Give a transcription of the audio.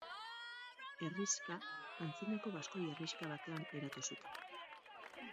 Herrixka antzinako baskoi herrixka batean eratu zuten.